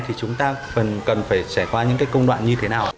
thì chúng ta cần phải trải qua những công đoạn như thế nào ạ